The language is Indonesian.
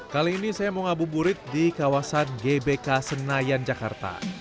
kali ini saya mau ngabuburit di kawasan gbk senayan jakarta